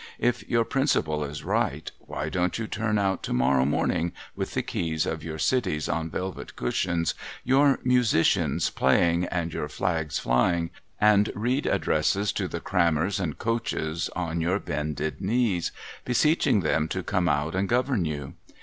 If your principle is right, why don't you turn out to morrow morning with the keys of your cities on velvet cushions, your musicians playing, and your flags flying, and read addresses to the Crammers and Coaches on your bended knees, beseeching them to come out and govern you